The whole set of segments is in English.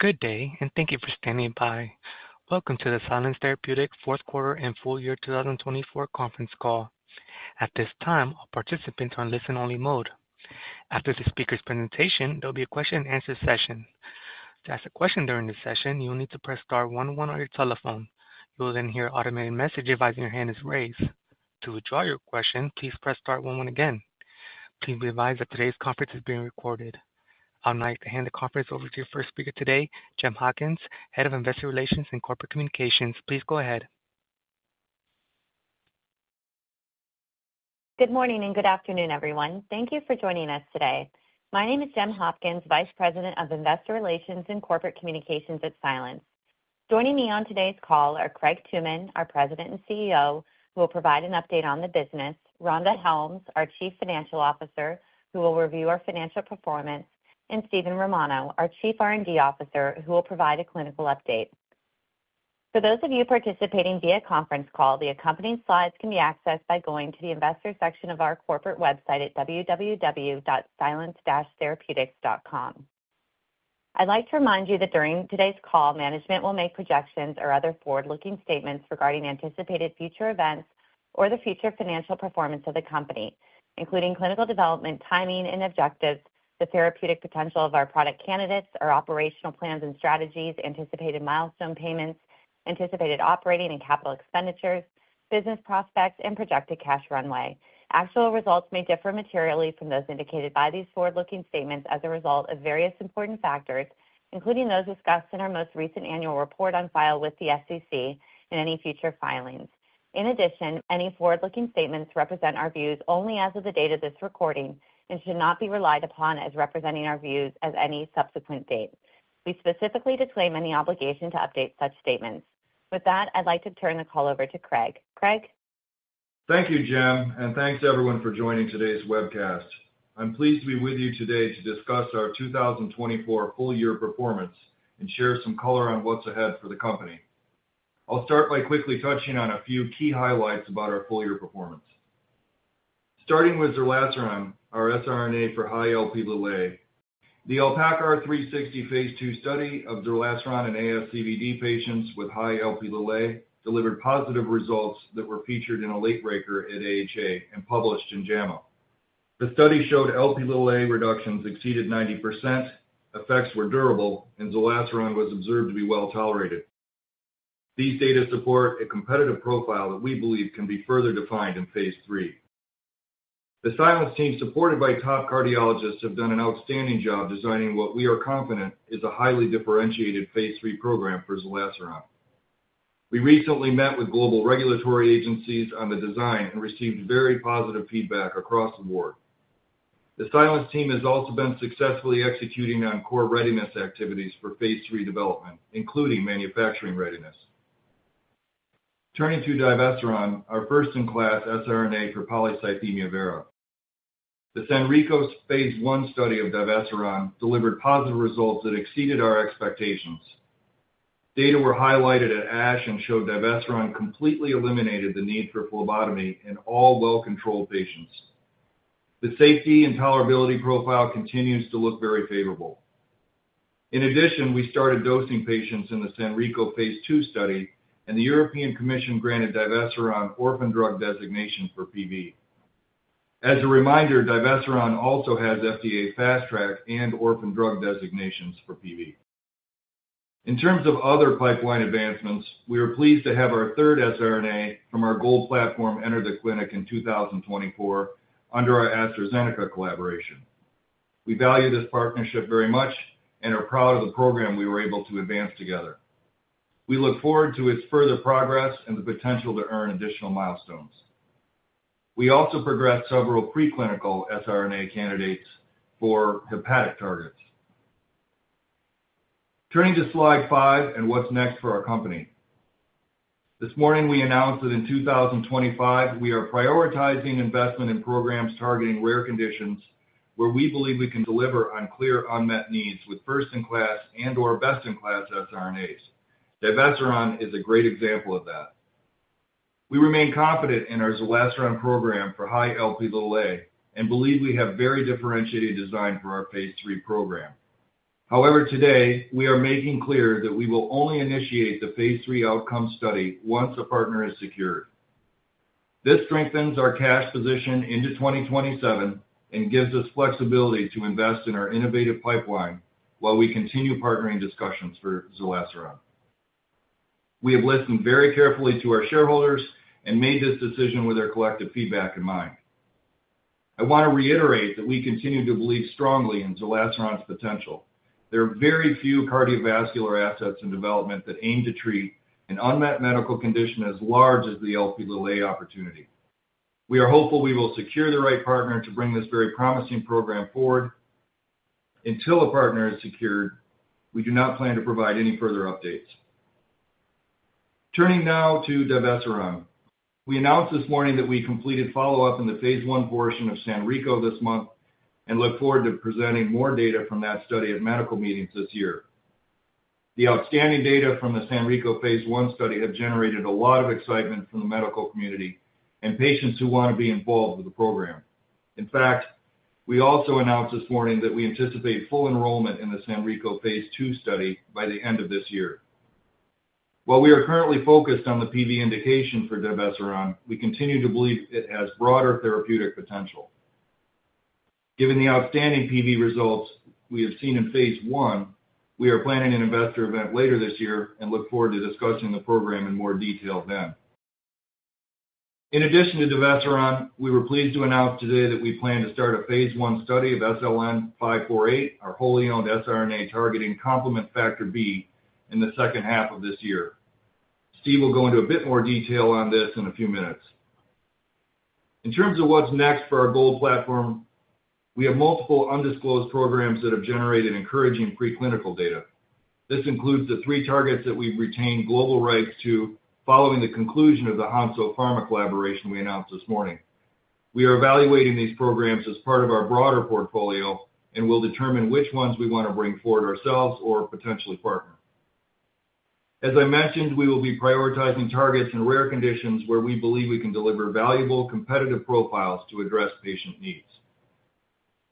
Good day, and thank you for standing by. Welcome to the Silence Therapeutics fourth quarter and full year 2024 conference call. At this time, all participants are in listen-only mode. After the speaker's presentation, there will be a question-and-answer session. To ask a question during this session, you will need to press star 11 on your telephone. You will then hear an automated message advising your hand is raised. To withdraw your question, please press star 11 again. Please be advised that today's conference is being recorded. I would now like to hand the conference over to your first speaker today, Gem Hopkins, Head of Investor Relations and Corporate Communications. Please go ahead. Good morning and good afternoon, everyone. Thank you for joining us today. My name is Gem Hopkins, Vice President of Investor Relations and Corporate Communications at Silence. Joining me on today's call are Craig Tooman, our President and CEO, who will provide an update on the business; Rhonda Hellums, our Chief Financial Officer, who will review our financial performance; and Steven Romano, our Chief R&D Officer, who will provide a clinical update. For those of you participating via conference call, the accompanying slides can be accessed by going to the investor section of our corporate website at www.silence-therapeutics.com. I'd like to remind you that during today's call, management will make projections or other forward-looking statements regarding anticipated future events or the future financial performance of the company, including clinical development, timing and objectives, the therapeutic potential of our product candidates, our operational plans and strategies, anticipated milestone payments, anticipated operating and capital expenditures, business prospects, and projected cash runway. Actual results may differ materially from those indicated by these forward-looking statements as a result of various important factors, including those discussed in our most recent annual report on file with the SEC and any future filings. In addition, any forward-looking statements represent our views only as of the date of this recording and should not be relied upon as representing our views as any subsequent date. We specifically disclaim any obligation to update such statements. With that, I'd like to turn the call over to Craig. Craig. Thank you, Jim, and thanks to everyone for joining today's webcast. I'm pleased to be with you today to discuss our 2024 full year performance and share some color on what's ahead for the company. I'll start by quickly touching on a few key highlights about our full year performance. Starting with zerlasiran, our siRNA for high Lp(a); the ALPACAR-360 Phase II study of zerlasiran in ASCVD patients with high Lp(a) delivered positive results that were featured in a Late Breaker at AHA and published in JAMA. The study showed Lp(a) reductions exceeded 90%, effects were durable, and zerlasiran was observed to be well tolerated. These data support a competitive profile that we believe can be further defined in phase III. The Silence team, supported by top cardiologists, have done an outstanding job designing what we are confident is a highly differentiated phase III program for zerlasiran. We recently met with global regulatory agencies on the design and received very positive feedback across the board. The Silence team has also been successfully executing on core readiness activities for phase III development, including manufacturing readiness. Turning to divasteron, our first-in-class siRNA for polycythemia vera. The SANRECO Phase I study of divasteron delivered positive results that exceeded our expectations. Data were highlighted at ASH and showed divasteron completely eliminated the need for phlebotomy in all well-controlled patients. The safety and tolerability profile continues to look very favorable. In addition, we started dosing patients in the SANRECO Phase II study, and the European Commission granted divasteron orphan drug designation for PV. As a reminder, divasteron also has FDA fast track and orphan drug designations for PV. In terms of other pipeline advancements, we are pleased to have our third siRNA from our mRNAi GOLD platform enter the clinic in 2024 under our AstraZeneca collaboration. We value this partnership very much and are proud of the program we were able to advance together. We look forward to its further progress and the potential to earn additional milestones. We also progressed several preclinical siRNA candidates for hepatic targets. Turning to slide five and what's next for our company. This morning, we announced that in 2025, we are prioritizing investment in programs targeting rare conditions where we believe we can deliver on clear unmet needs with first-in-class and/or best-in-class siRNAs. Divesiran is a great example of that. We remain confident in our zerlasiran program for high Lp(a) and believe we have very differentiated design for our phase III program. However, today, we are making clear that we will only initiate the Phase III outcome study once a partner is secured. This strengthens our cash position into 2027 and gives us flexibility to invest in our innovative pipeline while we continue partnering discussions for zerlasiran. We have listened very carefully to our shareholders and made this decision with our collective feedback in mind. I want to reiterate that we continue to believe strongly in zerlasiran's potential. There are very few cardiovascular assets in development that aim to treat an unmet medical condition as large as the Lp(a) opportunity. We are hopeful we will secure the right partner to bring this very promising program forward. Until a partner is secured, we do not plan to provide any further updates. Turning now to Divasteron, we announced this morning that we completed follow-up in the phase I portion of San Rico this month and look forward to presenting more data from that study at medical meetings this year. The outstanding data from the San Rico Phase I study have generated a lot of excitement from the medical community and patients who want to be involved with the program. In fact, we also announced this morning that we anticipate full enrollment in the San Rico Phase II study by the end of this year. While we are currently focused on the PV indication for Divasteron, we continue to believe it has broader therapeutic potential. Given the outstanding PV results we have seen in phase I, we are planning an investor event later this year and look forward to discussing the program in more detail then. In addition to Divasteron, we were pleased to announce today that we plan to start a phase I study of SLN548, our wholly owned siRNA targeting complement factor B, in the second half of this year. Steve will go into a bit more detail on this in a few minutes. In terms of what's next for our mRNAi GOLD platform, we have multiple undisclosed programs that have generated encouraging preclinical data. This includes the three targets that we've retained global rights to following the conclusion of the Hansoh Pharma collaboration we announced this morning. We are evaluating these programs as part of our broader portfolio and will determine which ones we want to bring forward ourselves or potentially partner. As I mentioned, we will be prioritizing targets in rare conditions where we believe we can deliver valuable competitive profiles to address patient needs.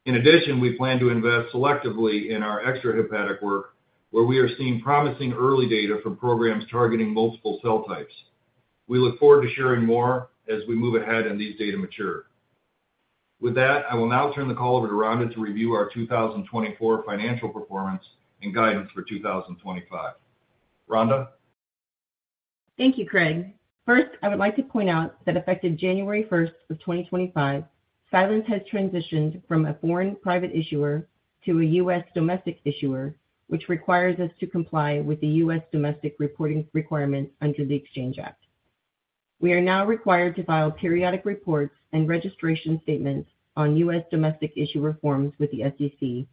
In addition, we plan to invest selectively in our extrahepatic work, where we are seeing promising early data for programs targeting multiple cell types. We look forward to sharing more as we move ahead and these data mature. With that, I will now turn the call over to Rhonda to review our 2024 financial performance and guidance for 2025. Rhonda. Thank you, Craig. First, I would like to point out that effective January 1 of 2025, Silence has transitioned from a foreign private issuer to a U.S. domestic issuer, which requires us to comply with the U.S. domestic reporting requirements under the Exchange Act. We are now required to file periodic reports and registration statements on U.S. domestic issuer forms with the SEC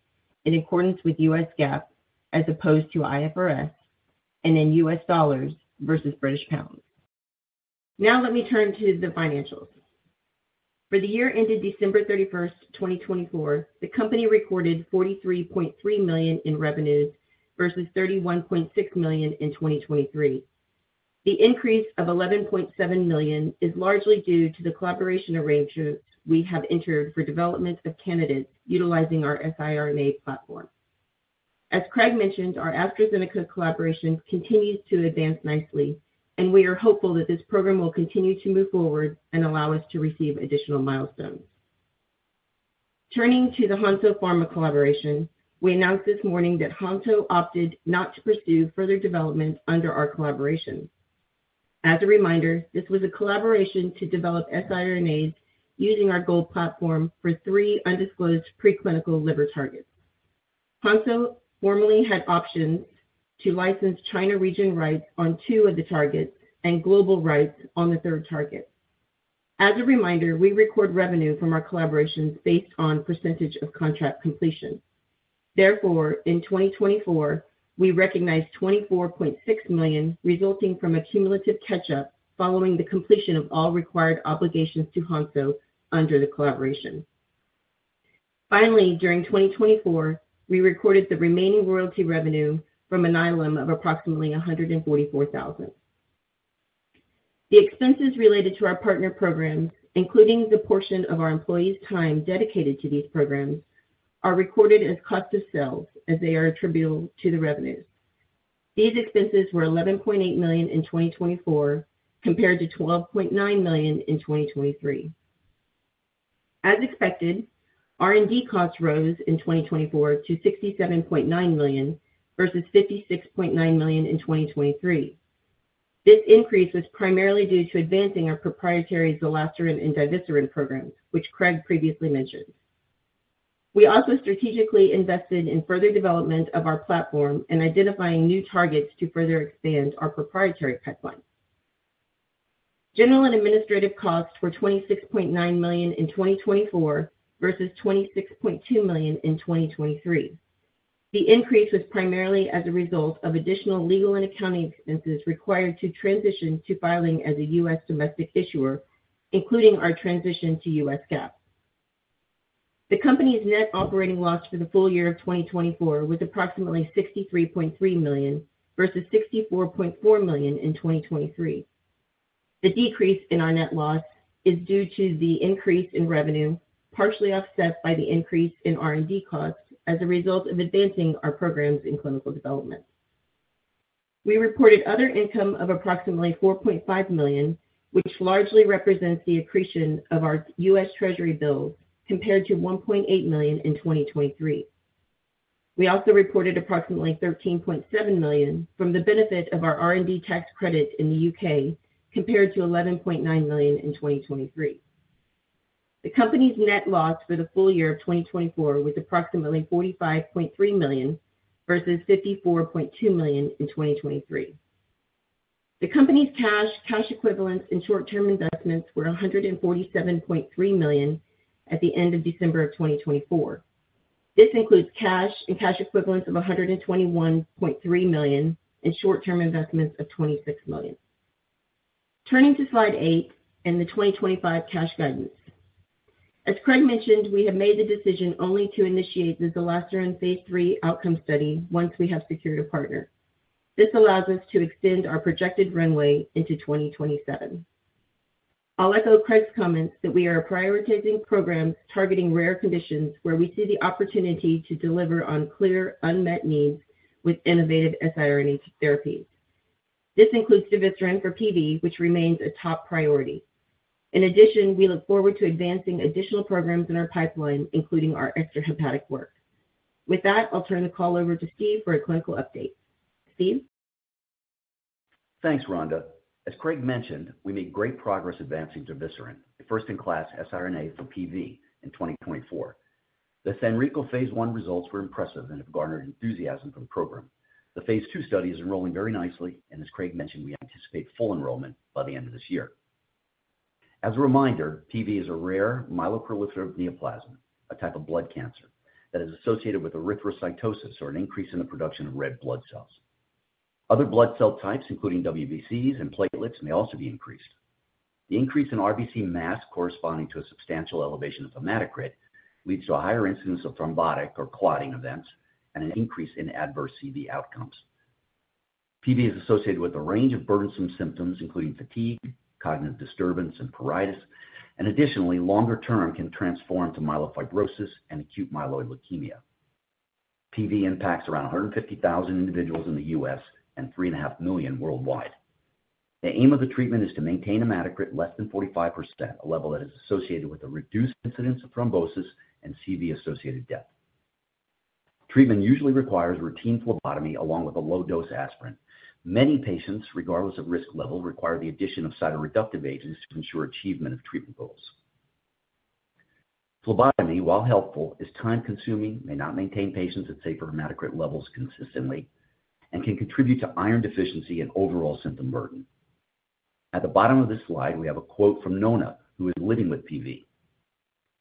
in accordance with U.S. GAAP as opposed to IFRS and in U.S. dollars versus British pounds. Now let me turn to the financials. For the year ended December 31, 2024, the company recorded $43.3 million in revenues versus $31.6 million in 2023. The increase of $11.7 million is largely due to the collaboration arrangements we have entered for development of candidates utilizing our mRNAi GOLD platform. As Craig mentioned, our AstraZeneca collaboration continues to advance nicely, and we are hopeful that this program will continue to move forward and allow us to receive additional milestones. Turning to the Hansoh Pharma collaboration, we announced this morning that Hansoh opted not to pursue further development under our collaboration. As a reminder, this was a collaboration to develop siRNAs using our Gold platform for three undisclosed preclinical liver targets. Hansoh formerly had options to license China region rights on two of the targets and global rights on the third target. As a reminder, we record revenue from our collaborations based on percentage of contract completion. Therefore, in 2024, we recognized $24.6 million resulting from a cumulative catch-up following the completion of all required obligations to Hansoh under the collaboration. Finally, during 2024, we recorded the remaining royalty revenue from an Alnylam of approximately $144,000. The expenses related to our partner programs, including the portion of our employees' time dedicated to these programs, are recorded as cost of sales as they are attributable to the revenues. These expenses were $11.8 million in 2024 compared to $12.9 million in 2023. As expected, R&D costs rose in 2024 to $67.9 million versus $56.9 million in 2023. This increase was primarily due to advancing our proprietary zerlasiran and divesiran programs, which Craig previously mentioned. We also strategically invested in further development of our platform and identifying new targets to further expand our proprietary pipeline. General and administrative costs were $26.9 million in 2024 versus $26.2 million in 2023. The increase was primarily as a result of additional legal and accounting expenses required to transition to filing as a U.S. domestic issuer, including our transition to U.S. GAAP. The company's net operating loss for the full year of 2024 was approximately $63.3 million versus $64.4 million in 2023. The decrease in our net loss is due to the increase in revenue, partially offset by the increase in R&D costs as a result of advancing our programs in clinical development. We reported other income of approximately $4.5 million, which largely represents the accretion of our U.S. Treasury bills compared to $1.8 million in 2023. We also reported approximately $13.7 million from the benefit of our R&D tax credit in the U.K. compared to $11.9 million in 2023. The company's net loss for the full year of 2024 was approximately $45.3 million versus $54.2 million in 2023. The company's cash, cash equivalents, and short-term investments were $147.3 million at the end of December of 2024. This includes cash and cash equivalents of $121.3 million and short-term investments of $26 million. Turning to slide eight and the 2025 cash guidance. As Craig mentioned, we have made the decision only to initiate the zerlasiran Phase III outcome study once we have secured a partner. This allows us to extend our projected runway into 2027. I'll echo Craig's comments that we are prioritizing programs targeting rare conditions where we see the opportunity to deliver on clear unmet needs with innovative siRNA therapies. This includes divesiran for PV, which remains a top priority. In addition, we look forward to advancing additional programs in our pipeline, including our extrahepatic work. With that, I'll turn the call over to Steve for a clinical update. Steve? Thanks, Rhonda. As Craig mentioned, we made great progress advancing divasteron, a first-in-class siRNA for PV in 2024. The San Rico phase I results were impressive and have garnered enthusiasm for the program. The phase II study is enrolling very nicely, and as Craig mentioned, we anticipate full enrollment by the end of this year. As a reminder, PV is a rare myeloproliferative neoplasm, a type of blood cancer, that is associated with erythrocytosis or an increase in the production of red blood cells. Other blood cell types, including WBCs and platelets, may also be increased. The increase in RBC mass corresponding to a substantial elevation of hematocrit leads to a higher incidence of thrombotic or clotting events and an increase in adverse CV outcomes. PV is associated with a range of burdensome symptoms, including fatigue, cognitive disturbance, and pruritus, and additionally, longer term can transform to myelofibrosis and acute myeloid leukemia. PV impacts around 150,000 individuals in the U.S. and 3.5 million worldwide. The aim of the treatment is to maintain hematocrit less than 45%, a level that is associated with a reduced incidence of thrombosis and CV-associated death. Treatment usually requires routine phlebotomy along with a low-dose aspirin. Many patients, regardless of risk level, require the addition of cytoreductive agents to ensure achievement of treatment goals. Phlebotomy, while helpful, is time-consuming, may not maintain patients at safer hematocrit levels consistently, and can contribute to iron deficiency and overall symptom burden. At the bottom of this slide, we have a quote from Nona, who is living with PV.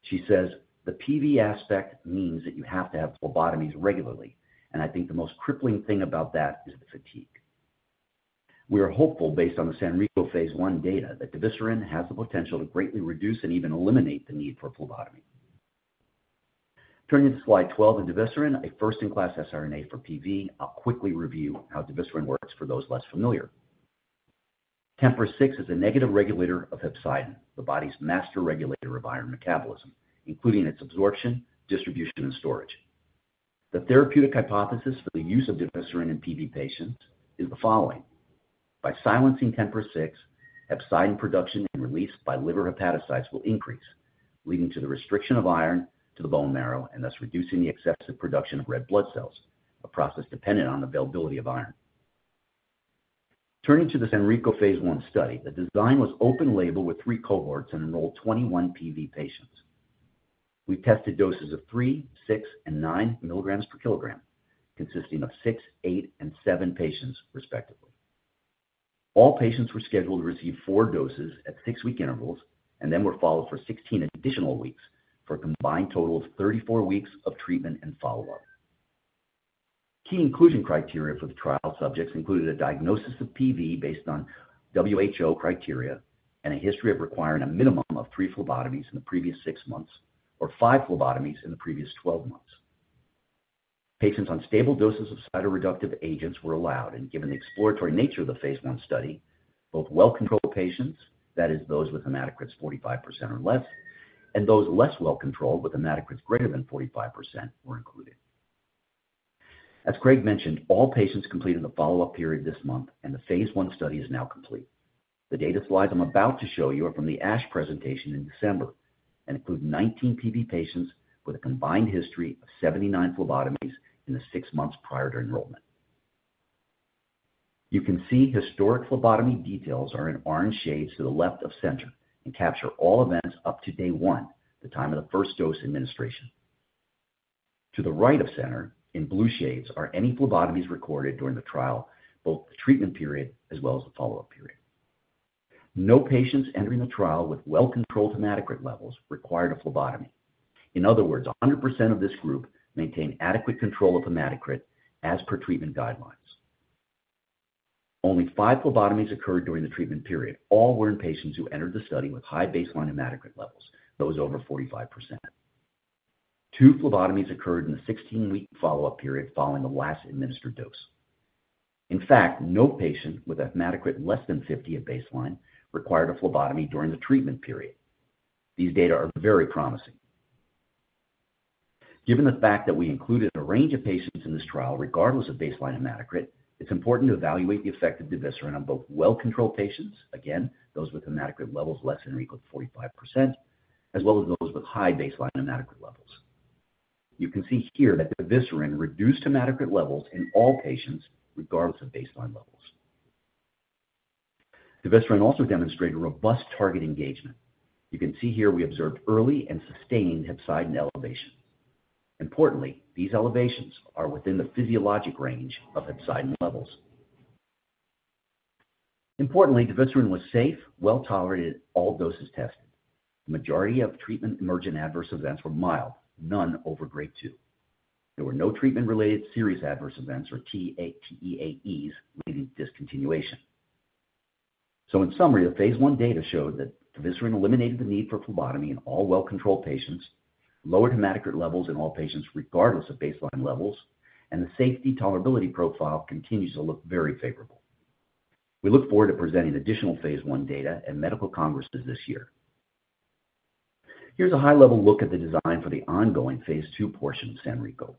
She says, "The PV aspect means that you have to have phlebotomies regularly, and I think the most crippling thing about that is the fatigue." We are hopeful, based on the San Rico phase I data, that Divasteron has the potential to greatly reduce and even eliminate the need for phlebotomy. Turning to slide 12 in Divasteron, a first-in-class siRNA for PV, I'll quickly review how Divasteron works for those less familiar. TMPRSS6 is a negative regulator of hepcidin, the body's master regulator of iron metabolism, including its absorption, distribution, and storage. The therapeutic hypothesis for the use of Divasteron in PV patients is the following. By silencing TMPRSS6, hepcidin production and release by liver hepatocytes will increase, leading to the restriction of iron to the bone marrow and thus reducing the excessive production of red blood cells, a process dependent on availability of iron. Turning to the San Rico phase I study, the design was open label with three cohorts and enrolled 21 PV patients. We tested doses of 3, 6, and 9 milligrams per kilogram, consisting of 6, 8, and 7 patients, respectively. All patients were scheduled to receive four doses at six-week intervals and then were followed for 16 additional weeks for a combined total of 34 weeks of treatment and follow-up. Key inclusion criteria for the trial subjects included a diagnosis of PV based on WHO criteria and a history of requiring a minimum of three phlebotomies in the previous six months or five phlebotomies in the previous 12 months. Patients on stable doses of cytoreductive agents were allowed, and given the exploratory nature of the phase I study, both well-controlled patients, that is, those with hematocrits 45% or less, and those less well-controlled with hematocrits greater than 45% were included. As Craig mentioned, all patients completed the follow-up period this month, and the phase I study is now complete. The data slides I'm about to show you are from the ASH presentation in December and include 19 PV patients with a combined history of 79 phlebotomies in the six months prior to enrollment. You can see historic phlebotomy details are in orange shades to the left of center and capture all events up to day one, the time of the first dose administration. To the right of center, in blue shades, are any phlebotomies recorded during the trial, both the treatment period as well as the follow-up period. No patients entering the trial with well-controlled hematocrit levels required a phlebotomy. In other words, 100% of this group maintained adequate control of hematocrit as per treatment guidelines. Only five phlebotomies occurred during the treatment period. All were in patients who entered the study with high baseline hematocrit levels, those over 45%. Two phlebotomies occurred in the 16-week follow-up period following the last administered dose. In fact, no patient with a hematocrit less than 50 at baseline required a phlebotomy during the treatment period. These data are very promising. Given the fact that we included a range of patients in this trial, regardless of baseline hematocrit, it's important to evaluate the effect of Divasteron on both well-controlled patients, again, those with hematocrit levels less than or equal to 45%, as well as those with high baseline hematocrit levels. You can see here that Divasteron reduced hematocrit levels in all patients, regardless of baseline levels. Divasteron also demonstrated robust target engagement. You can see here we observed early and sustained hepcidin elevations. Importantly, these elevations are within the physiologic range of hepcidin levels. Importantly, Divasteron was safe, well-tolerated at all doses tested. The majority of treatment emergent adverse events were mild, none over grade 2. There were no treatment-related serious adverse events or TEAEs leading to discontinuation. In summary, the phase I data showed that Divasteron eliminated the need for phlebotomy in all well-controlled patients, lowered hematocrit levels in all patients regardless of baseline levels, and the safety tolerability profile continues to look very favorable. We look forward to presenting additional phase I data at medical congresses this year. Here's a high-level look at the design for the ongoing phase II portion of San Rico.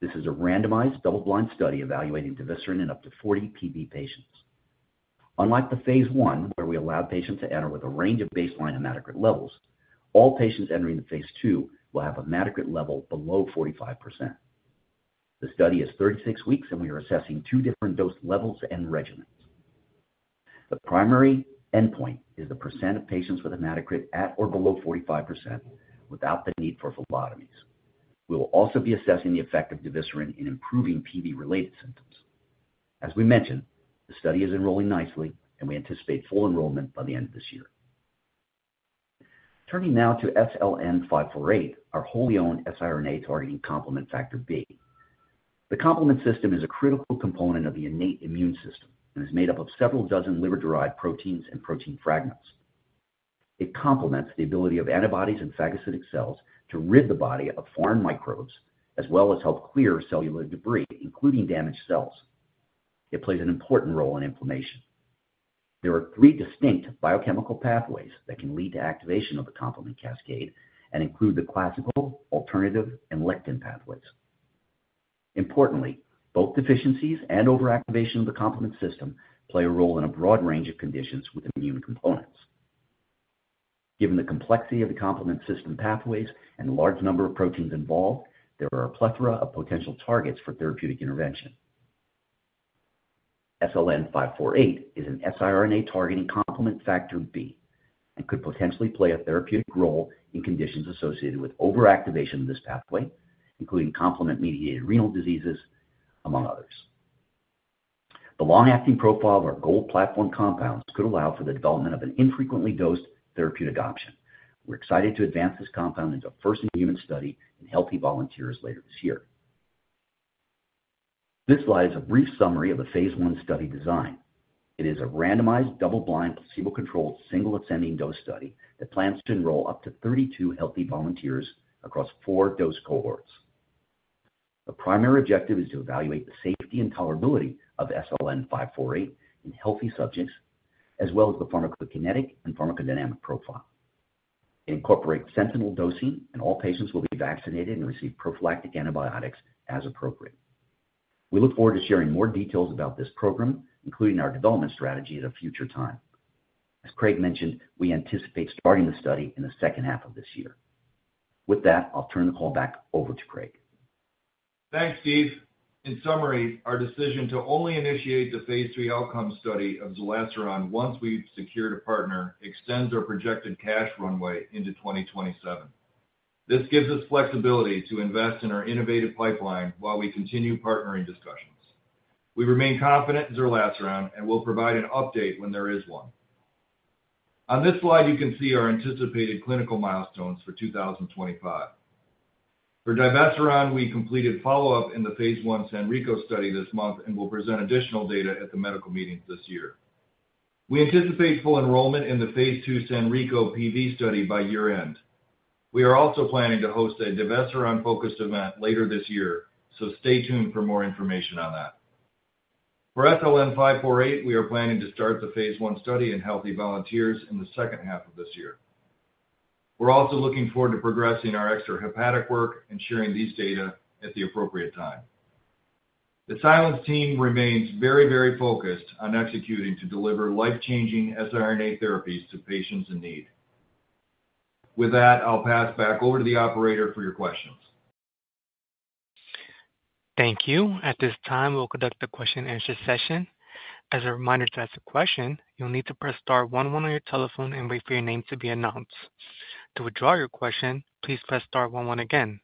This is a randomized double-blind study evaluating Divasteron in up to 40 PV patients. Unlike the phase I, where we allowed patients to enter with a range of baseline hematocrit levels, all patients entering the phase II will have hematocrit level below 45%. The study is 36 weeks, and we are assessing two different dose levels and regimens. The primary endpoint is the % of patients with hematocrit at or below 45% without the need for phlebotomies. We will also be assessing the effect of Divasteron in improving PV-related symptoms. As we mentioned, the study is enrolling nicely, and we anticipate full enrollment by the end of this year. Turning now to SLN548, our wholly owned siRNA targeting complement factor B. The complement system is a critical component of the innate immune system and is made up of several dozen liver-derived proteins and protein fragments. It complements the ability of antibodies and phagocytic cells to rid the body of foreign microbes as well as help clear cellular debris, including damaged cells. It plays an important role in inflammation. There are three distinct biochemical pathways that can lead to activation of the complement cascade and include the classical, alternative, and lectin pathways. Importantly, both deficiencies and overactivation of the complement system play a role in a broad range of conditions with immune components. Given the complexity of the complement system pathways and large number of proteins involved, there are a plethora of potential targets for therapeutic intervention. SLN548 is an siRNA targeting complement factor B and could potentially play a therapeutic role in conditions associated with overactivation of this pathway, including complement-mediated renal diseases, among others. The long-acting profile of our mRNAi GOLD platform compounds could allow for the development of an infrequently dosed therapeutic option. We're excited to advance this compound into a first-in-human study in healthy volunteers later this year. This slide is a brief summary of the phase I study design. It is a randomized double-blind, placebo-controlled, single-ascending dose study that plans to enroll up to 32 healthy volunteers across four dose cohorts. The primary objective is to evaluate the safety and tolerability of SLN548 in healthy subjects, as well as the pharmacokinetic and pharmacodynamic profile. It incorporates sentinel dosing, and all patients will be vaccinated and receive prophylactic antibiotics as appropriate. We look forward to sharing more details about this program, including our development strategy at a future time. As Craig mentioned, we anticipate starting the study in the second half of this year. With that, I'll turn the call back over to Craig. Thanks, Steve. In summary, our decision to only initiate the phase III outcome study of zerlasiran once we've secured a partner extends our projected cash runway into 2027. This gives us flexibility to invest in our innovative pipeline while we continue partnering discussions. We remain confident in zerlasiran and will provide an update when there is one. On this slide, you can see our anticipated clinical milestones for 2025. For divesiran, we completed follow-up in the phase I San Rico study this month and will present additional data at the medical meetings this year. We anticipate full enrollment in the phase II San Rico PV study by year-end. We are also planning to host a divesiran-focused event later this year, so stay tuned for more information on that. For SLN548, we are planning to start the phase I study in healthy volunteers in the second half of this year. We're also looking forward to progressing our extrahepatic work and sharing these data at the appropriate time. The Silence team remains very, very focused on executing to deliver life-changing siRNA therapies to patients in need. With that, I'll pass back over to the operator for your questions. Thank you. At this time, we'll conduct the question-and-answer session. As a reminder to ask a question, you'll need to press star one one on your telephone and wait for your name to be announced. To withdraw your question, please press star one one again.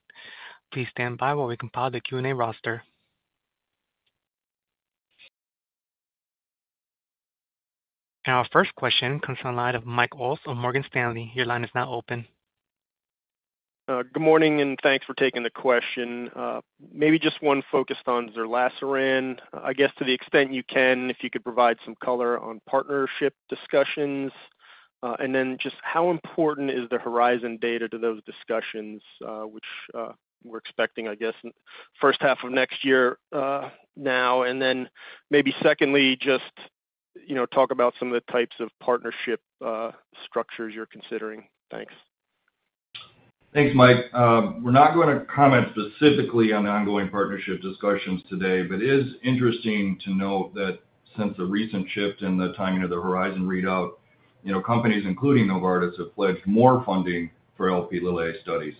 Please stand by while we compile the Q&A roster. Our first question comes from the line of Mike Wilson on Morgan Stanley. Your line is now open. Good morning, and thanks for taking the question. Maybe just one focused on zerlasiran. I guess to the extent you can, if you could provide some color on partnership discussions, and then just how important is the Horizon data to those discussions, which we're expecting, I guess, first half of next year now, and then maybe secondly, just talk about some of the types of partnership structures you're considering. Thanks. Thanks, Mike. We're not going to comment specifically on ongoing partnership discussions today, but it is interesting to note that since the recent shift in the timing of the Horizon readout, companies, including Novartis, have pledged more funding for Lp(a) studies.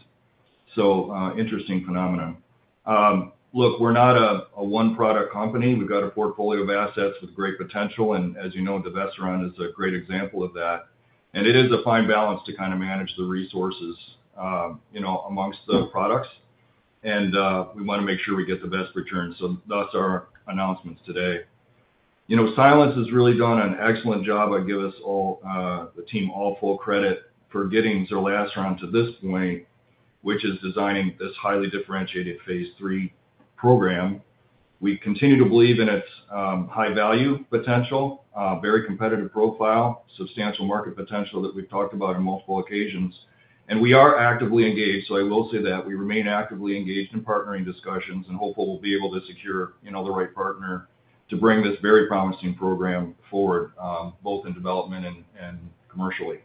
Interesting phenomenon. Look, we're not a one-product company. We've got a portfolio of assets with great potential, and as you know, Divasteron is a great example of that. It is a fine balance to kind of manage the resources amongst the products, and we want to make sure we get the best returns. Thus are our announcements today. Silence has really done an excellent job. I'd give us all, the team, all full credit for getting Zerlasiran to this point, which is designing this highly differentiated phase III program. We continue to believe in its high-value potential, very competitive profile, substantial market potential that we've talked about on multiple occasions. We are actively engaged, so I will say that. We remain actively engaged in partnering discussions and hopefully will be able to secure the right partner to bring this very promising program forward, both in development and commercially.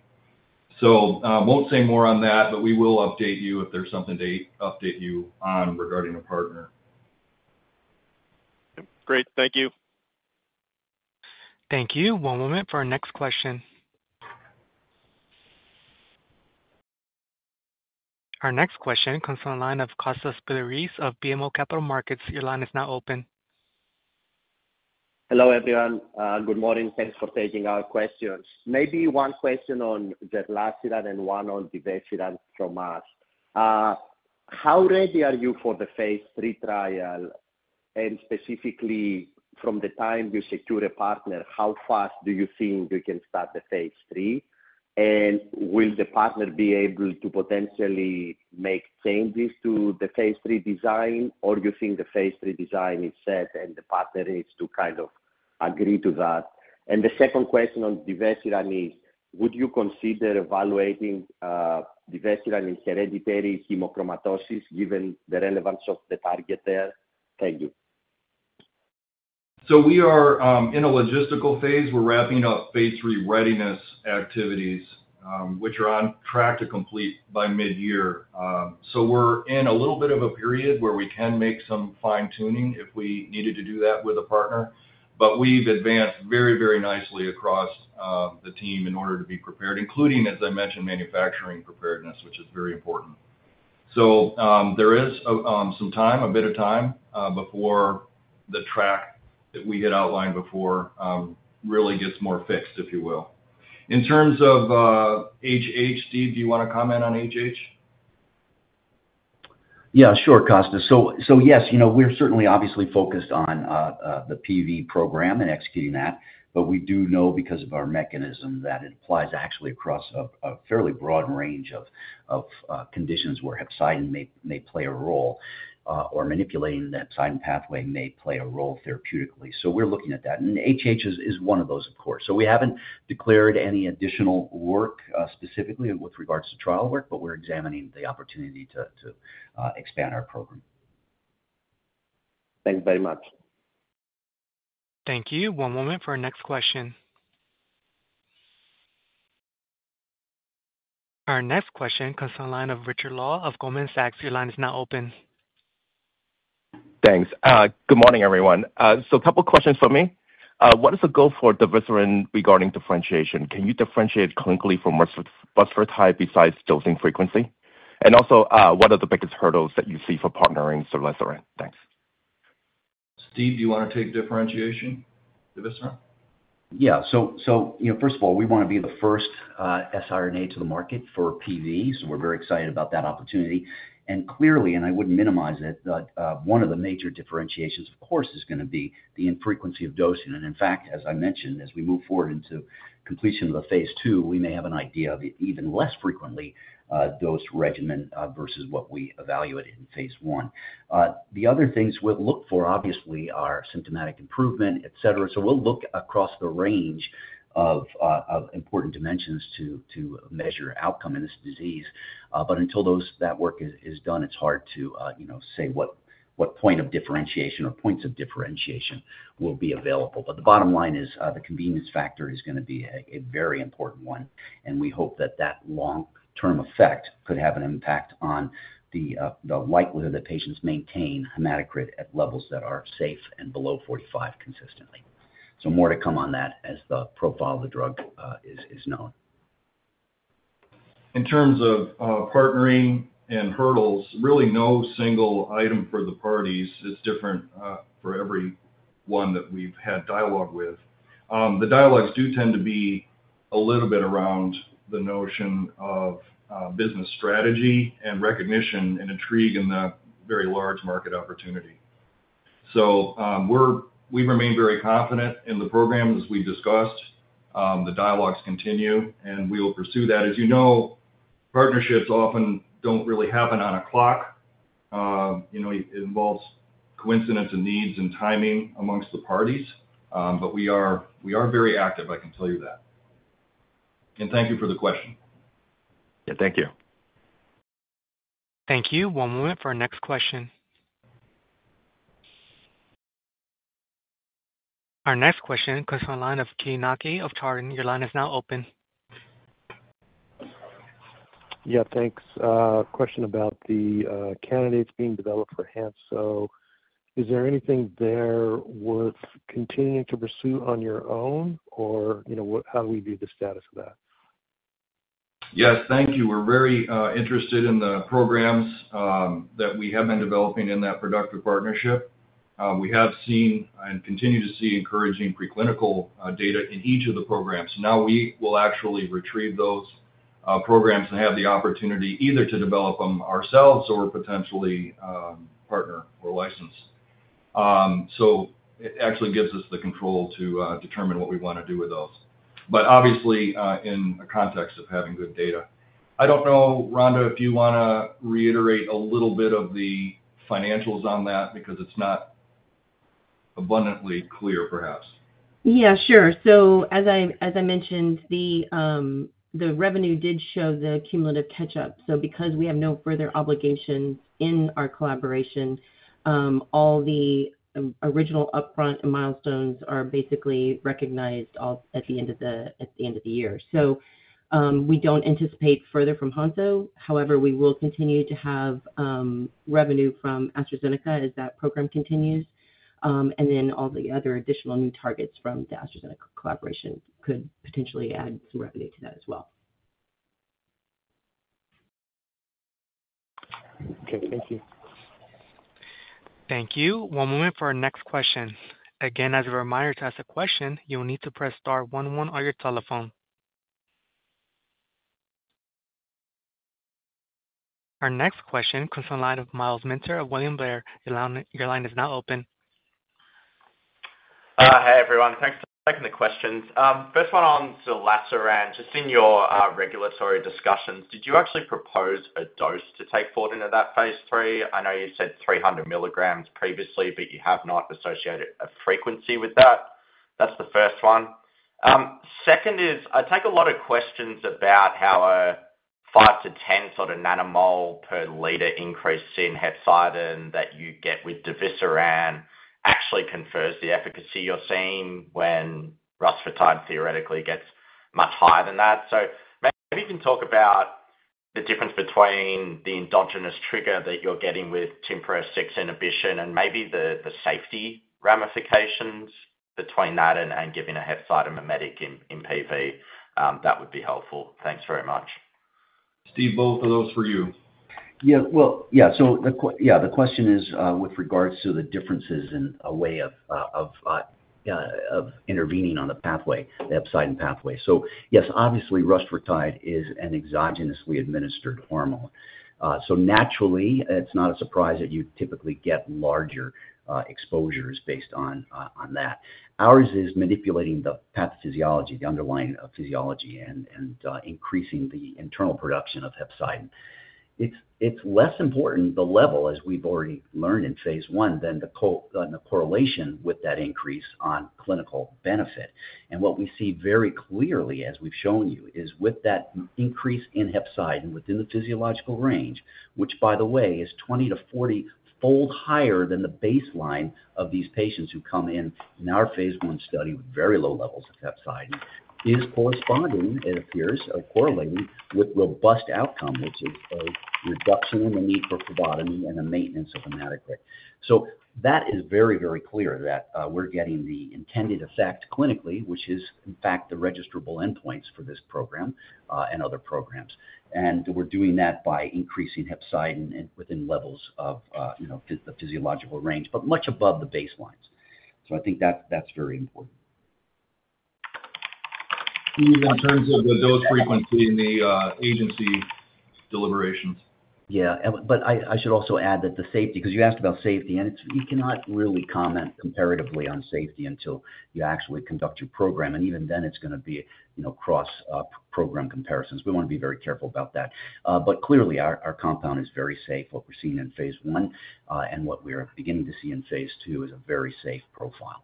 I won't say more on that, but we will update you if there's something to update you on regarding a partner. Great. Thank you. Thank you. One moment for our next question. Our next question comes from the line of Kostas Biliouris of BMO Capital Markets. Your line is now open. Hello, everyone. Good morning. Thanks for taking our questions. Maybe one question on zerlasiran and one on divesiran from us. How ready are you for the phase III trial? Specifically, from the time you secure a partner, how fast do you think you can start the phase III? Will the partner be able to potentially make changes to the phase III design, or do you think the phase III design is set and the partner needs to kind of agree to that? The second question on divesiran is, would you consider evaluating divesiran in hereditary hemochromatosis given the relevance of the target there? Thank you. We are in a logistical phase. We're wrapping up phase III readiness activities, which are on track to complete by mid-year. We're in a little bit of a period where we can make some fine-tuning if we needed to do that with a partner, but we've advanced very, very nicely across the team in order to be prepared, including, as I mentioned, manufacturing preparedness, which is very important. There is some time, a bit of time, before the track that we had outlined before really gets more fixed, if you will. In terms of HH, Steve, do you want to comment on HH? Yeah, sure, Kostas. Yes, we're certainly obviously focused on the PV program and executing that, but we do know because of our mechanism that it applies actually across a fairly broad range of conditions where hepcidin may play a role or manipulating the hepcidin pathway may play a role therapeutically. We're looking at that. HH is one of those, of course. We haven't declared any additional work specifically with regards to trial work, but we're examining the opportunity to expand our program. Thanks very much. Thank you. One moment for our next question. Our next question comes from the line of Richard Law of Goldman Sachs. Your line is now open. Thanks. Good morning, everyone. A couple of questions for me. What is the goal for Divasteron regarding differentiation? Can you differentiate clinically from Rusfertide besides dosing frequency? Also, what are the biggest hurdles that you see for partnering zerlasiran? Thanks. Steve, do you want to take differentiation, Divasteron? Yeah. First of all, we want to be the first siRNA to the market for PV, so we're very excited about that opportunity. Clearly, and I wouldn't minimize it, one of the major differentiations, of course, is going to be the infrequency of dosing. In fact, as I mentioned, as we move forward into completion of the phase II, we may have an idea of an even less frequently dosed regimen versus what we evaluated in phase I. The other things we'll look for, obviously, are symptomatic improvement, etc. We'll look across the range of important dimensions to measure outcome in this disease. Until that work is done, it's hard to say what point of differentiation or points of differentiation will be available. The bottom line is the convenience factor is going to be a very important one, and we hope that that long-term effect could have an impact on the likelihood that patients maintain hematocrit at levels that are safe and below 45% consistently. More to come on that as the profile of the drug is known. In terms of partnering and hurdles, really no single item for the parties. It's different for every one that we've had dialogue with. The dialogues do tend to be a little bit around the notion of business strategy and recognition and intrigue in the very large market opportunity. We remain very confident in the program as we've discussed. The dialogues continue, and we will pursue that. As you know, partnerships often don't really happen on a clock. It involves coincidence and needs and timing amongst the parties, but we are very active, I can tell you that. Thank you for the question. Yeah, thank you. Thank you. One moment for our next question. Our next question comes from the line of Keay Nakae of Chardan. Your line is now open. Yeah, thanks. Question about the candidates being developed for Hansoh. Is there anything there worth continuing to pursue on your own, or how do we view the status of that? Yes, thank you. We're very interested in the programs that we have been developing in that productive partnership. We have seen and continue to see encouraging preclinical data in each of the programs. Now we will actually retrieve those programs and have the opportunity either to develop them ourselves or potentially partner or license. It actually gives us the control to determine what we want to do with those, but obviously in a context of having good data. I don't know, Rhonda, if you want to reiterate a little bit of the financials on that because it's not abundantly clear, perhaps. Yeah, sure. As I mentioned, the revenue did show the cumulative catch-up. Because we have no further obligations in our collaboration, all the original upfront milestones are basically recognized at the end of the year. We do not anticipate further from Hansoh. However, we will continue to have revenue from AstraZeneca as that program continues. All the other additional new targets from the AstraZeneca collaboration could potentially add some revenue to that as well. Okay, thank you. Thank you. One moment for our next question. Again, as a reminder to ask a question, you'll need to press star one one on your telephone. Our next question comes from the line of Myles Minter of William Blair. Your line is now open. Hi, everyone. Thanks for taking the questions. First one on zerlasiran. Just in your regulatory discussions, did you actually propose a dose to take forward into that phase III? I know you said 300 milligrams previously, but you have not associated a frequency with that. That's the first one. Second is I take a lot of questions about how a 5-10 sort of nanomole per liter increase in hepcidin that you get with divesiran actually confers the efficacy you're seeing when Rusfertide theoretically gets much higher than that. Maybe you can talk about the difference between the endogenous trigger that you're getting with TMPRSS6 inhibition and maybe the safety ramifications between that and giving a hepcidin mimetic in PV. That would be helpful. Thanks very much. Steve, both of those for you. Yeah, yeah. The question is with regards to the differences in a way of intervening on the pathway, the hepcidin pathway. Yes, obviously, Rusfertide is an exogenously administered hormone. Naturally, it's not a surprise that you typically get larger exposures based on that. Ours is manipulating the pathophysiology, the underlying physiology, and increasing the internal production of hepcidin. It's less important, the level, as we've already learned in phase I, than the correlation with that increase on clinical benefit. What we see very clearly, as we've shown you, is with that increase in hepcidin within the physiological range, which, by the way, is 20-40-fold higher than the baseline of these patients who come in in our phase I study with very low levels of hepcidin, is corresponding, it appears, or correlating with robust outcome, which is a reduction in the need for phlebotomy and the maintenance of hematocrit. That is very, very clear that we're getting the intended effect clinically, which is, in fact, the registrable endpoints for this program and other programs. We're doing that by increasing hepcidin within levels of the physiological range, but much above the baselines. I think that's very important. In terms of the dose frequency and the agency deliberations. Yeah, but I should also add that the safety, because you asked about safety, and you cannot really comment comparatively on safety until you actually conduct your program. Even then, it's going to be cross-program comparisons. We want to be very careful about that. Clearly, our compound is very safe. What we're seeing in phase I and what we're beginning to see in phase II is a very safe profile.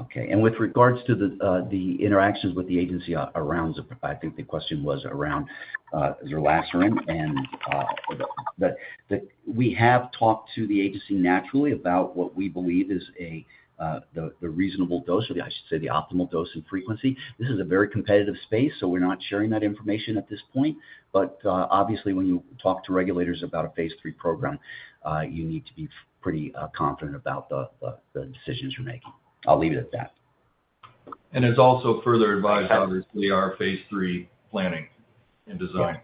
Okay. With regards to the interactions with the agency around, I think the question was around zerlasiran, and we have talked to the agency naturally about what we believe is the reasonable dose, or I should say the optimal dose and frequency. This is a very competitive space, so we're not sharing that information at this point. Obviously, when you talk to regulators about a phase III program, you need to be pretty confident about the decisions you're making. I'll leave it at that. It also further advised, obviously, our phase III planning and design.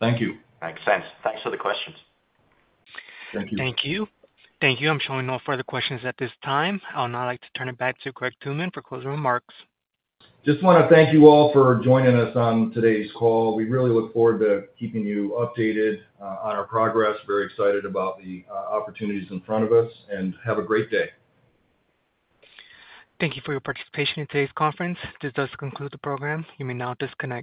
Thank you. Makes sense. Thanks for the questions. Thank you. Thank you. Thank you. I'm showing no further questions at this time. I'll now like to turn it back to Craig Tooman for closing remarks. Just want to thank you all for joining us on today's call. We really look forward to keeping you updated on our progress. Very excited about the opportunities in front of us, and have a great day. Thank you for your participation in today's conference. This does conclude the program. You may now disconnect.